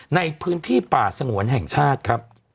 ในพื้นที่ป่าสงวนแห่งชาติครับ